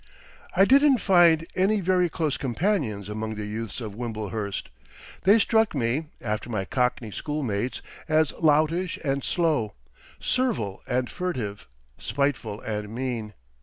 I didn't find any very close companions among the youths of Wimblehurst. They struck me, after my cockney schoolmates, as loutish and slow, servile and furtive, spiteful and mean.